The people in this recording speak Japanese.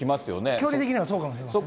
距離的にはそうかもしれませんね。